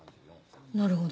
なるほど。